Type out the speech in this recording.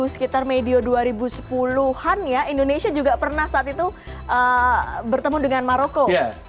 kalau kita ingat di dua ribu sekitar medio dua ribu sepuluh an ya indonesia juga pernah saat itu bertemu dengan maroko